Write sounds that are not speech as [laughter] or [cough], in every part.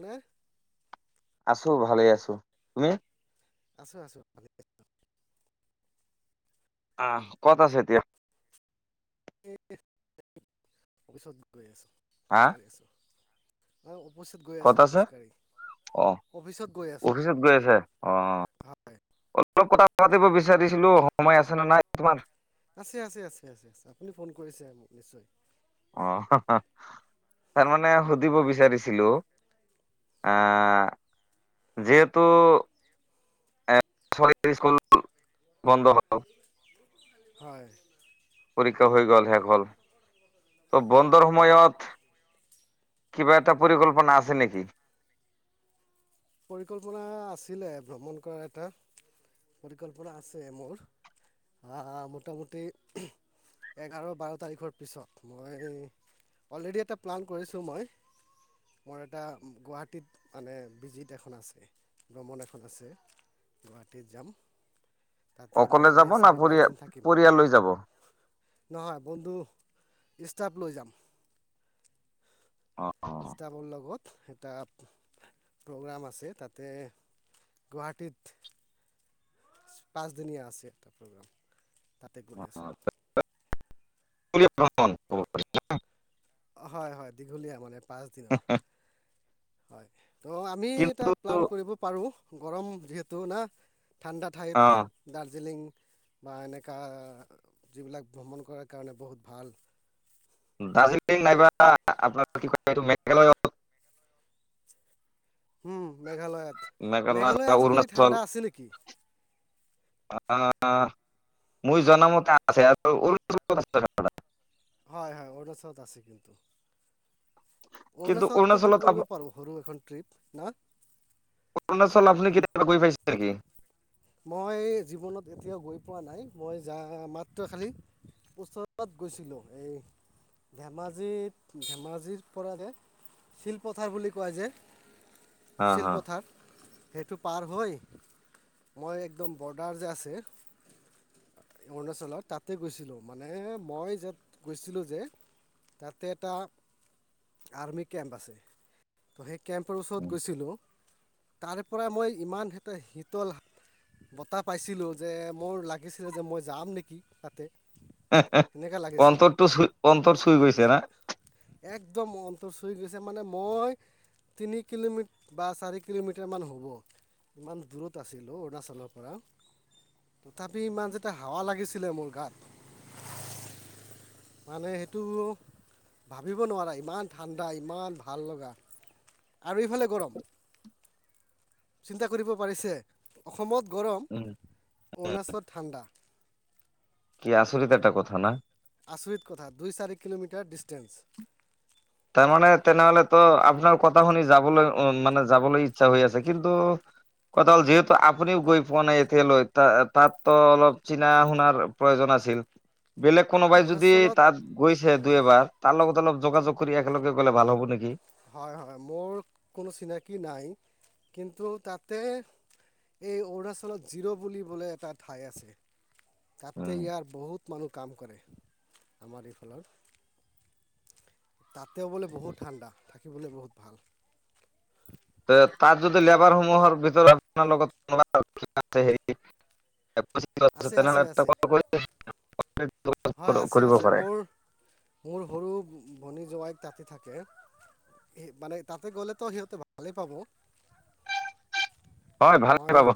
ন' আছো ভালে আছো তুমি? আছো আছো ভাল। আহ ক'ত আছে এতিয়া? অফিচত গৈ আছো় হা আছো। অফিচত গৈ আছো ক'ত আছে খোজকাঢ়ি। অ অফিচত গৈ আছো অফিচত গৈ আছে অ হয় অ অলপ কথা পাতিব বিচ। বিচাৰিছিলো সময় আছে নে নাই তোমাৰ? আছে, আছে, আছে, আছে আ আপুনি ফোন কৰিছে মোক নিশ্চয় অ তাৰ মানে সুধিব বিচাৰিছিলোঁ, আ যিহেতু চৰকাৰী স্কুল বন্ধ হব। হয় পৰীক্ষা হৈ গল। হ ত' বন্ধৰ সময়ত কিবা এটা পৰিকল্পনা আছে নেকি? পৰিকল্পনা আছিলে ভ্ৰমণ কৰাৰ এটা। পৰিকল্পনা আছে মোৰ মোটামুটি, এ আৰু বাৰ তাৰিখৰ পিছত মই অলৰেডি এটা প্লান কৰিছোঁ মই' মৰেটা গুৱাহাটীত মানে ভজিট খন আছে ভ্ৰমণ এখন আছে গুৱাহাটীত যাম তাতে অকলে মই যাব না চাৰি পৰি পাঁচদিন থাকিম পৰিয়াললৈ যাব নহয় বন্ধু ষ্টাফ লৈ যাম অ ষ্টাফৰ লগত এটা প্ৰগ্ৰাম আছে তাতে গুৱাহাটীত পাঁচদিনীয়া আছে এটা প্ৰগ্ৰাম তাতে গৈ আছোঁ ভ্ৰমণ হয় হয় দীঘলীয়া মানে পাঁচদিনৰ হয় তো আমি কিন্তু এটা প্লান কৰিব পাৰোঁ গৰম যিহেতু না ঠাণ্ডা অ ঠাইত দাৰ্জিলিং বা এনেকুৱা যিবিলাক ভ্ৰমণ কৰাৰ কাৰণে বহুত ভাল দাৰ্জিলিং নাইবা আপোনাৰ কি কয় এইটো মেঘালয় উম মেঘালয়ত মেঘালয় আজিকালি ঠাণ্ডা আছিল নেকি আ মোৰ জনা মতে আছে আৰু কত হয় হয় অৰুণাচলত আছে কিন্তু অৰুণাচলত কিন্তু কৰিব পাৰোঁ সৰু এখন ট্ৰিপ না অৰুণাচল আপুনি কেতিয়াবা গৈ পাইছে নেকি মই জীৱনত এতিয়াও গৈ পোৱা নাই মই যা মাত্ৰ খালী ওচৰত গৈছিলোঁ এই ধেমাজিত ধেমাজিৰ পৰা যে শিলপথাৰ বুলি কয় যে হা হা শিলপথাৰ সেইটো পাৰ হৈ মই একদম বৰ্ডাৰ যে আছে অৰুণাচলত তাতে গৈছিলোঁ মানে মই যত গৈছিলোঁ যে তাতে এটা আৰ্মি কেম্প আছে ত সেই কেম্পাৰ ওচৰত গৈছিলোঁ তাৰ পৰা মই ইমান এটা শীতল বঁটা পাইছিলোঁ যে মোৰ লাগিছিলে যে মই যাম নেকি তাতে সেনেকুৱা লাগিছিল অন্তৰটো অন্তৰ চুই গৈছে না একদম অন্তৰ চুই গৈছে মানে মই তিনি কিলোমিটাৰ বা চাৰি কিলোমিটাৰ মান হ'ব ইমান দূৰত আছিল অৰুণাচলৰ পৰা তথাপি ইমান যেতিয়া হাৱা লাগিছিলে মোৰ গাত মানে সেইটো ভাবিব নোৱাৰা ইমান ঠাণ্ডা ইমান ভাল লগা আৰু এইফালে গৰম চিন্তা কৰিব পাৰিছে অসমত গৰম অৰুণাচলত ঠাণ্ডা কি আচৰিত এটা কথা না? আচৰিত কথা দুই, চাৰি কিলোমিটাৰ ডিচটেন্স। তাৰমানে তেনেহলেতো আপোনাৰ কথা শুনি যাবলৈ উম মানে যাবলৈ ইচ্ছা হৈ আছে কিন্তু কথা হ'ল যিহেতু আপুনিও গৈ পোৱা নাই এতিয়ালৈ তাত ত'অলপ চিনা শুনাৰ প্ৰয়োজন আছিল বেলেগ কোনোবাই যদি অৰুণাচলত তাত গৈছে দুই, হয় এবাৰ তাৰ লগত অলপ যোগাযোগ কৰি একেলগে গলে ভাল হ'ব নেকি হয়', হয়', মোৰ কোনো চিনাকী নাই কিন্তু তাতে এই অৰুণাচলত জিৰ বুলিবলে এটা ঠাই আছে তাতে উম ইয়াৰ বহুত মানুহ কাম কৰে আমাৰ এইফালৰ। তাতেও বোলে বহুত ঠাণ্ডা থাকিবলৈ বহুত ভাল। তে তাত যদি লেবাৰ সমূহৰ ভিতৰত আপোনাৰ লগত কোনোবা আছে হেৰি আছে [unintelligible] আছে তেনেহলেটো আছে কল কৰি হয়, যোগাযোগ আছে- কৰিব আছে পাৰে মোৰ মোৰ সৰু ভনী জোৱাই তাতে থাকে। মানে তাতে গ'লেতো সিহঁতে ভালেই পাব। হয়, ভালেই মই পাব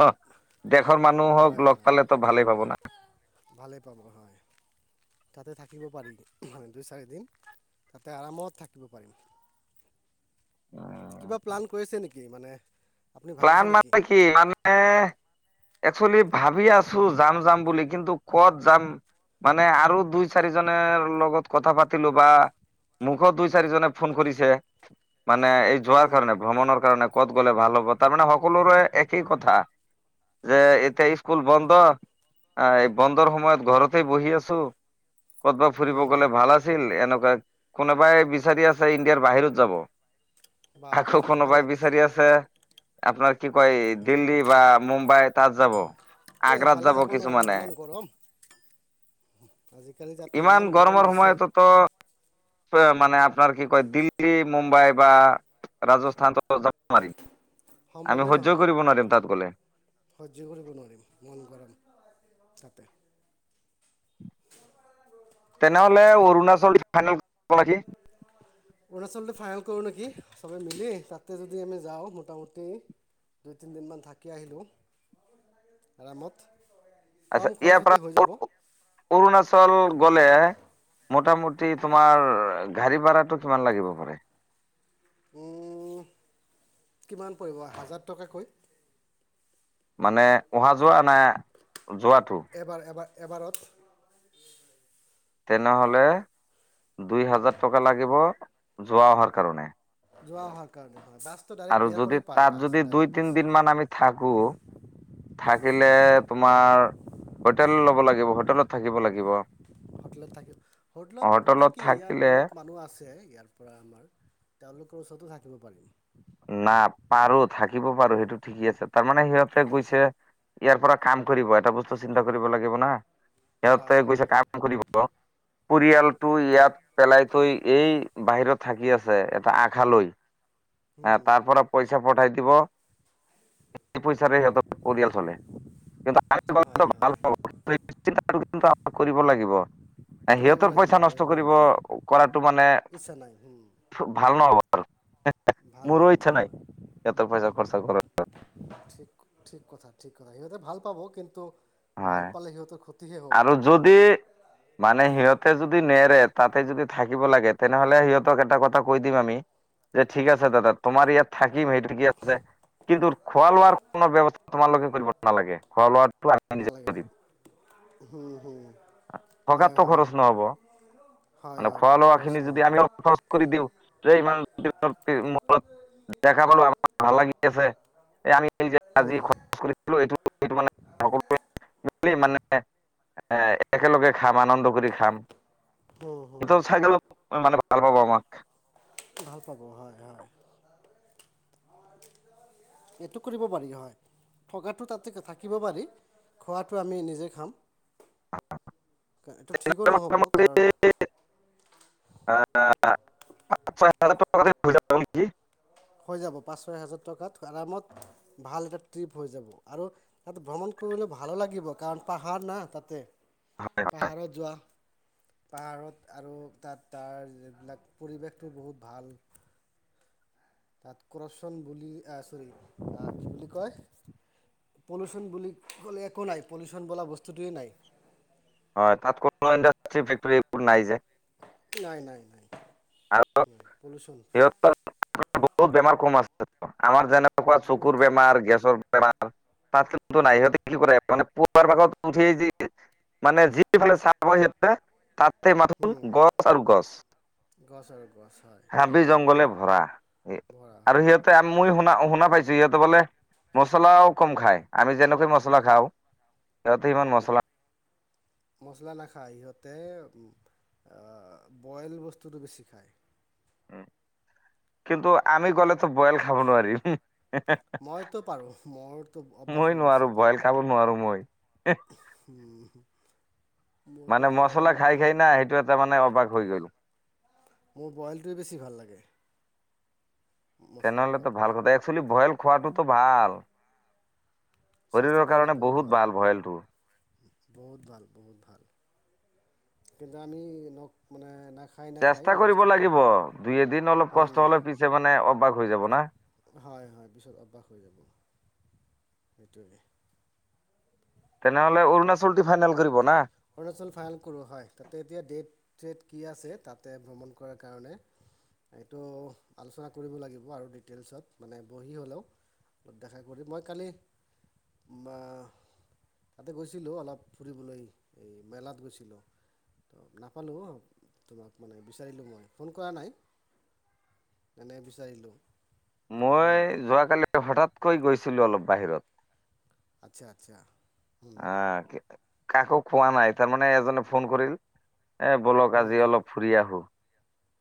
দেশৰ হয় মানুহক লগ হয় পালে তো ভালেই পাব না। ভালেই পাব [inaudible] তাতে থাকিব পাৰি আমি দুই, চাৰিদিন তাতে আৰামত থাকিব পাৰিম। [inaudible] কিবা প্লান কৰিছে নেকি মানে আপুনি প্লান ভাবিছে নেকি মানে কি মানে একচলি ভাবি আছো যাম- যাম বুলি কিন্তু কত যাম মানে আৰু দুই চাৰিজনেৰ লগত কথা পাতিলো বা মুখো দুই, চাৰিজনে ফোন কৰিছে মানে এই যোৱাৰ হুম কাৰণে ভ্ৰমণৰ কাৰণে ক'ত গ'লে ভাল হ'ব তাৰমানে সকলোৰে একেই কথা। যে এতিয়া স্কুল বন্ধ আহ, এই বন্ধৰ সময়ত ঘৰতে বহি আছো ক'তবা ফুৰিব হুম গলে ভাল আছিল এনেকুৱা কোনোবাই বিচাৰি আছে ইণ্ডিয়াৰ বাহিৰত যাব বাপৰে আকৌ কোনোবাই নেপালত বিচাৰি আছে আপোনাৰ কি কয় দিল্লী বা মুম্বাইত তাত যাব এ আগ্ৰাত এইফালে যাব নোৱাৰি কিছুমানে ইমান গৰম আজিকালি তাতে [inaudible] ইমান গৰম গৰমৰ দিছে সময়তো ত' মানে আপোনাৰ কি কয় দিল্লী, মুম্বাই বা ৰাজস্থানটো যাব পাৰি। সম্ভৱেই নহয় তাতে তাত গ'লে সহ্য কৰিব নোৱাৰিম ইমান গৰম। [unintelligible] তেনেহলে অৰুণাচল ফাইনেল [unintelligible] অৰুণাচলটো ফাইল কৰোঁ নেকি চবে মিলি তাতে যদি আমি যাওঁ মোটামুটি দুই তিনিদিনমান থাকি আহিলোঁ আৰামত। আচ্ছা কম ইয়াৰ খৰচতে পৰা হৈ অ যাব [unintelligible] অৰুণাচল গ'লে মতামতি তোমাৰ ঘাৰি ভাৰাটু কিমান লাগিব পাৰে? উম, কিমান পৰিব হাজাৰ টকাকৈ। মানে অহা যোৱা না যোৱাটো? এবাৰ এবাৰ এবাৰত। তেনেহলে দুই -হাজাৰ টকা লাগিব যোৱা অহাৰ কাৰণে। যোৱা অহাৰ কাৰণে। হয় বাছটো ডাইৰেক্ট আৰু ইয়াৰ যদি পৰাই পায় তাত বাছ যদি দুই, ডাইৰেক্ট বাছ তিনি দিন মান আমি থাকো থাকিলে তোমাৰ হোটেল ল'ব লাগিব হোটেলত থাকিব লাগিব। হোটেলত থাকিব হোটেলত মানে কি ইয়াৰ বহুত মানুহ আছে ইয়াৰ পৰা আমাৰ তেওঁলোকৰ ওচৰতো থাকিব পাৰিম। না পাৰো থাকিব পাৰো সেইটো ঠিকেই আছে তাৰমানে সিহঁতে গৈছে ইয়াৰ পৰা কাম কৰিব এটা বস্তু চিন্তা কৰিব লাগিব না। হয় সিহঁতে হয় গৈছে সেইটো। কাম কৰিব। পৰিয়ালটো ইয়াত পেলাই থৈ এই বাহিৰত থাকি আছে এটা আশালৈ। আহ উম, তাৰ পৰা পইচা পঠাই দিব। পইচাৰে সিহঁতৰ পৰিয়াল চলে হয় কিন্তু ভাল হয় পাব। চিন্তা কৰিব লাগিব। কৰিব সিহঁতৰ লাগিব পইচা নষ্ট কৰিব ডেফিনেটলি কৰাটো মানে ইচ্ছা নাই উম। ভাল নহ'ব। ভাল মোৰো নহ'ব ইচ্ছা নাই হয় সিহঁতৰ পইচা খৰচা কৰা। ঠিক ঠিক কথা ঠিক কথা সিহতে ভাল পাব কিন্তু। ভাল হয় পালে সিহঁতৰ ক্ষতিহে হ'ব আৰু যদি মানে সিহঁতে যদি নেৰে। তাতে যদি থাকিব লাগে তেনেহলে সিহঁতক এটা কথা কৈ দিম আমি। যে ঠিক আছে দাদা তোমাৰ ইয়াত থাকিম সেইটো কি আছে। কিন্তু খোৱা লোৱাৰ কোনো ব্যৱস্থা তোমালোকে কৰিব নালাগে খোৱা লোৱাটো। আমি নিজে নালাগে। হয় থকাটো হয়। খৰচ নহব। হয় মানে হয় খোৱা টকা লোৱা খৰচ খিনি যদি নহয় আমি অলপ খৰচ কৰি দিওঁ যে ইমান- মত দেখা পালো আমাৰ ভাল লাগি আছে। আমি- এইযে আজি আজি হুম খৰচ কৰিলোঁ এইটো মানে সকলোৱে- মানে এ একেলগে খাম আনন্দ কৰি খাম। হ'ম সেইটো হ'ম। চাই মানে ভাল পাব আমাক। ভাল পাব হয় হয়। এইটো কৰিব পাৰি হয়। থকাটো তাতে থাকিব পাৰি। খোৱাটো আমি নিজে খাম। এইটো ঠিকো নহ'ব মোটামুটি কাৰণ- ছয় হাজাৰ টকা [unintelligible] হৈ যাব পাঁচ ছয় হাজাৰ টকাত আৰামত ভাল এটা ট্ৰিপ হৈ যাব। আৰু এইয়াত ভ্ৰমণ খ- ভালো লাগিব কাৰণ পাহাৰ না তাতে, পাহাৰত যোৱা। পাহাৰত আৰু তাত তাৰ যবিলাক পৰিৱেশটো বহুত ভাল। তাত [unintelligible] কি বুলি কয় পলিউশ্যন বুলি ক'লে একো নাই পলিউশ্যন বোলা বস্তুটোৱেই নাই। হয় তাত কোনো ইণ্ডষ্ট্ৰি ফেক্টী এইবোৰ নাই যে। নাই নাই নাই আৰু পলিউশ্যন ফ্ৰী। সিহঁতৰ বহুত বেমাৰ কম আছে আমাৰ যেনেকুৱা চকুৰ বেমাৰ, গেছৰ- বেমাৰ তাত কিন্তু নাই সিহতে কি কৰে মানে পুৱাৰ ভাগত উঠি যি- মানে যিফালে [unintelligible] হয় সেইফালে তাতে মাথোঁ বহুত গছ আৰু গছ। গছ আৰু গছ। হয় হাবি জংঘলে ভৰা বৰা আৰু হয় সিহঁতে মই শুনা শুনা পাইছো সিহঁতে- বোলে মছলাও কম খায়। আমি যেনেকৈ মছলা খাওঁ। সিহঁতে ইমান মছলা মছলা নাখায় সিহঁতে উমঁ। আহ বয়েল বস্তুটো বেছি খায়। কিন্তু আমি গ'লেতো বয়েল খাব নোৱাৰিম। মইতো পাৰো মোৰতো অভ্যাস মই হৈ গৈছে নোৱাৰো এইটো। বইল খাব নোৱাৰো মই উমঁ। মানে মচলা খায় খায় না সেইটো এটা মানে অভ্যাস হৈ গ'ল। মোৰ বইলটোৱে বেছি ভাল লাগে। মছলা তেনেহ'লেতো খোৱাতকৈ ভাল কথা একচলি বয়েল খোৱাটোতো ভাল। শৰীৰৰ কাৰণে বহুত ভাল বয়েলটো। বহুত ভাল বহুত ভাল। কিন্তু আমি নখ মানে- নাখায় নাখায় চেষ্টা কৰিব বস্তুটো লাগিব দুই এদিন অলপ কষ্ট হ'লে পিছে মানে অভ্যাস হৈ যাব না। হয় হয় পিছত অভ্যাস হৈ যাব সেইটোৱে। তেনেহলে অৰুণাচলটো ফাইনেল কৰিব না। অৰুণাচল ফাইনল কৰোঁ হয়। তাতে এতিয়া ডেট ছেট কি আছে তাতে ভ্ৰমণ কৰাৰ কাৰণে- এইটো আলোচনা কৰিব লাগিব আৰু ডিটেইলছত মানে বহি হ'লেও। অলপ দেখা কৰি মই কালি- বা তাতে গৈছিলোঁ অলপ ফুৰিবলৈ। এই মেলাত গৈছিলোঁ। ত নাপালো তোমাক মানে বিচাৰিলোঁ মই ফোন কৰা নাই। যেনে বিচাৰিলোঁ। কিন্তু পোৱা মই নাই যোৱাকালি হঠাৎ কৈ গৈছিলোঁ অলপ বাহিৰত। আচ্ছা আচ্ছা। হুম আহঁ কাকো কোৱা নাই তাৰমানে এজনে ফোন কৰিল- এ বলক হুম আজি অলপ ফুৰি আহোঁ।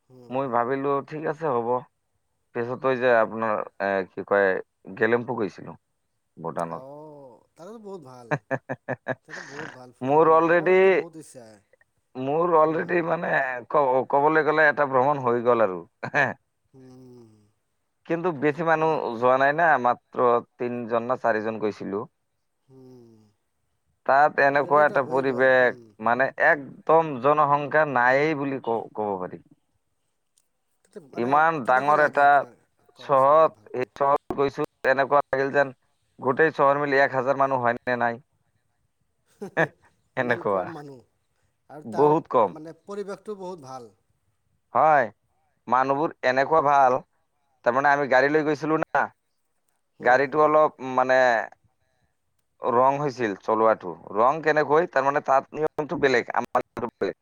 হুম মই হুম ভাবিলো ঠিক আছে। চব হ'ব পিছত যে আপোনাৰ এ কি কয় গেলেম্পু গৈছিলোঁ অ তাতো বহুত ভাল তাতো বহুত ভাল মোৰ ফুৰিব অলৰেডি মোৰতো বহুত ইচ্ছা। মোৰ হুম অলৰেডি মানে ক ক'বলৈ গ'লে এটা ভ্ৰমণ হৈ গ'ল আৰু হ হুম কিন্তু বেছি মানুহ বাপৰে যোৱা নাই ন আমাৰ। মাত্ৰ তিনজন না চাৰিজন গৈছিলোঁ। হুম তাত অলৰেডি এনেকুৱা এটা হৈ গ'ল পৰিৱেশ হুম মানে এক উত্তম জনসংখ্যা নায়েই বুলি ক ক'ব পাৰি। তাতে মানে ইমান কেনেকৈ ডাঙৰ লাগে এটা আপোনাৰ কওকচোন অলপ চহৰত এই ভালকৈ চহৰত গৈছোঁ। তেনেকুৱা লাগিল যেন গোটেই চহৰ মিলি এক হাজাৰ মানুহ হয়নে নাই। ইমান এনেকুৱা কম মানুহ আৰু তাৰ বহুত কম মানে পৰিবেশ টো বহুত ভাল। হয় মানুহবোৰ এনেকুৱা ভাল তাৰমানে আমি গাড়ী লৈ গৈছিলোঁ না। হুম হুম গাড়ীটো অলপ মানে। ৰং হৈছিল চলোৱাটো ৰং কেনেকৈ তাৰমানে তাত নিয়মটো বেলেগ আ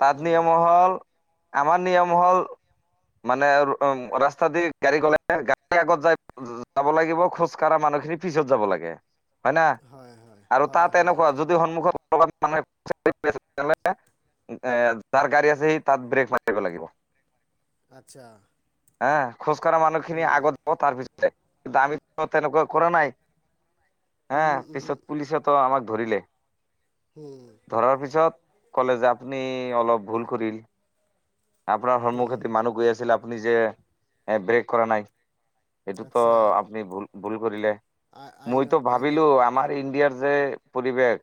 তাত হুম নিয়ম হ'ল আমাৰ নিয়ম হ'ল মানে উম ৰাস্তা দি গাড়ী গ'লে গাড়ীৰ আগত য যাব লাগিব খোজ কঢ়া মানে সিমান খিনি পিছত যাব লাগে হয়না হয় হয় আৰু হয় তাত হয় এনেকুৱা যদি সন্মুখত - [unintelligible] এ যাৰ গাড়ী আছে সি তাত ব্ৰেক মাৰিব লাগিব। আচ্ছা। হে খোজ কাঢ়া মানুহখিনি হুম আগত যাব তাৰ পিছতে কিন্তু আ তেনেকুৱা কৰা নাই হা? হুম হুম হুম পিছত পুলিচে তো আমাক ধৰিলে। হুম ধৰাৰ পিছত ক'লে যে আপুনি অলপ ভুল কৰিল। আপোনাৰ হুম সন্মুখেদি মানুহ গৈ আছিল, আপুনি যে এ ব্ৰেক কৰা নাই। ত আচ্ছা আপুনি ভুল-ভুল কৰিলে, আ- আইনত মইতো আইনত ভাবিলোঁ আমাৰ ইণ্ডিয়াৰ যে পৰিৱেশ,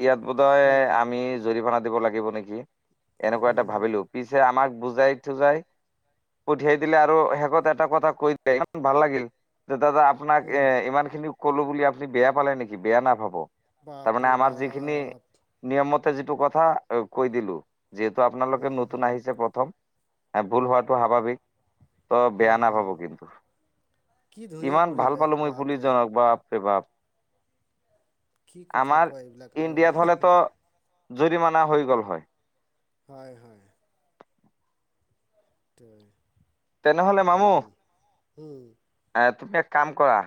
ইয়াত বোধয় হুম আমি জৰিমনা দিব লাগিব নেকি? এনেকুৱা হুম এটা হুম হুম ভাবিলোঁ পিছে আমাক বুজাই-থুজাই পঠিয়াই দিলে আৰু শেষত এটা কথা কৈ দিলে ইমান ভাল লাগিল যে দাদা আপোনাক এ ইমান খিনি কলোঁ বুলি আপুনি বেয়া পালে নেকি? বেয়া নাাপাব তাৰমানে বাপৰে আমাৰ যিখিনি বাপ নিয়মত যিটো কথা কৈ দিলোঁ যিহেতু আপোনালোকে হুম নতুন হুম আহিছে প্ৰথম। ইয়াত ভুল হোৱাটো স্বাভাৱিক ত হুম বেয়া হুম নাাপাব কিন্তু। কি ধুনীয়া ইমান ভাল পৰিৱেশ পালোঁ মই বাপৰে পুলিজনক বাপ ৰেবাপ। কি কথা কোৱা এইবিলাক ইণ্ডিয়াত আৰু হলেতো জৰিমনা হৈ গ'ল হয়। হয়-হয়। ত তেনেহলে মামু, এ তুমি এক কাম কৰা